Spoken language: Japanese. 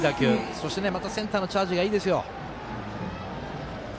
そしてまた、センターのチャージがいいですよ。